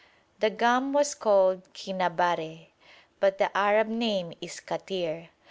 The gum was called kinnàbare, but the Arab name is kàtir.